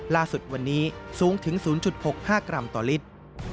ล่าสุดวันนี้สูงถึง๐๖๕กรัมต่อลิตร